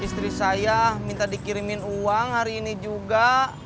istri saya minta dikirimin uang hari ini juga